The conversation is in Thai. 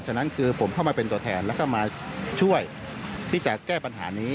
ฉะนั้นคือผมเข้ามาเป็นตัวแทนแล้วก็มาช่วยที่จะแก้ปัญหานี้